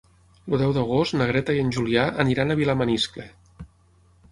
El deu d'agost na Greta i en Julià aniran a Vilamaniscle.